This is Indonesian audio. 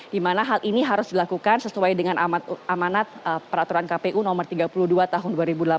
di mana hal ini harus dilakukan sesuai dengan amanat peraturan kpu nomor tiga puluh dua tahun dua ribu delapan belas